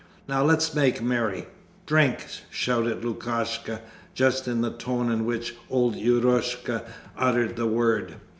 Now let's make merry. Drink!' shouted Lukashka, just in the tone in which old Eroshka uttered the word.